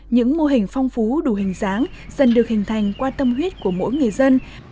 những mô hình phong phú đủ hình dáng dần được hình thành qua tâm huyết của mỗi người dân